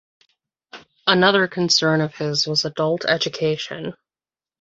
Another concern of his was adult education.